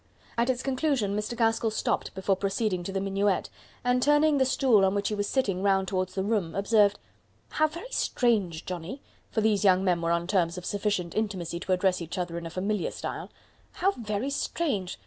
At its conclusion Mr. Gaskell stopped before proceeding to the minuet, and turning the stool on which he was sitting round towards the room, observed, "How very strange, Johnnie," for these young men were on terms of sufficient intimacy to address each other in a familiar style, "How very strange!